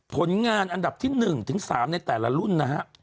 ผลงานอันดับที่๑ถึง๓ในแต่ละรุ่นนะฮะ